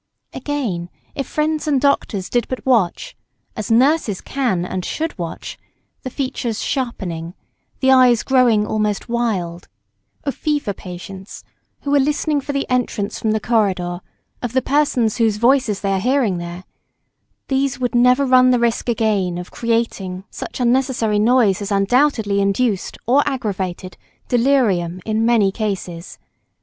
Again, if friends and doctors did but watch, as nurses can and should watch, the features sharpening, the eyes growing almost wild, of fever patients who are listening for the entrance from the corridor of the persons whose voices they are hearing there, these would never run the risk again of creating such expectation, or irritation of mind. Such unnecessary noise has undoubtedly induced or aggravated delirium in many cases.